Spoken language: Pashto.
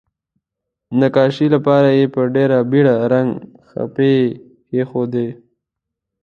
نقاشۍ لپاره یې په ډیره بیړه رنګه خپې کیښودې.